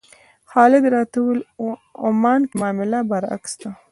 خالد راته وویل عمان کې معامله برعکس ده.